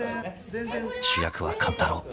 ［主役は勘太郎］